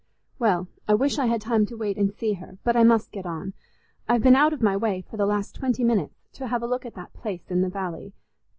"Well, I wish I had time to wait and see her, but I must get on. I've been out of my way for the last twenty minutes to have a look at that place in the valley.